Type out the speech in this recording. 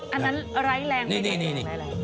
อันนั้นไร้แรงไร้แรง